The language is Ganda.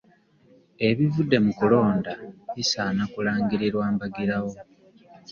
Ebivudde mu kulonda bisaana kulangirirwa mbagirawo.